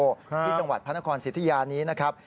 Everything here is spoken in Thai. ที่จังหวัดพระนครสิทธิยานี้นะครับ